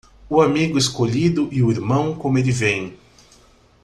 O amigo escolhido e o irmão como ele vem.